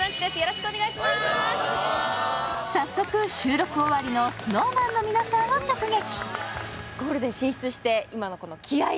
早速、収録終わりのＳｎｏｗＭａｎの皆さんを直撃。